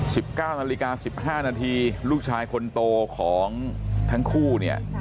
สิบเก้านาฬิกาสิบห้านาทีลูกชายคนโตของทั้งคู่เนี่ย